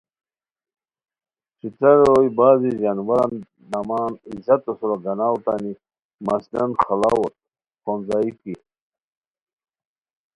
ݯھترارو روئے بعض ژانوارن نامان عزتو سورا گاناؤ اوتانی مثلاً خڑاؤت خونځائیکی